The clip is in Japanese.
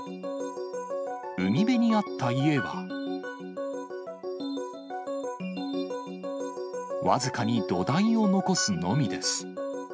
海辺にあった家は、僅かに土台を残すのみです。